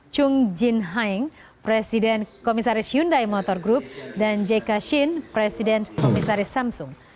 chung jin haing presiden komisaris hyundai motor group dan jk shin presiden komisaris samsung